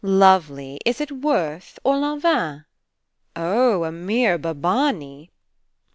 ... Lovely, is it Worth or Lanvin? ... Oh, a mere Babani.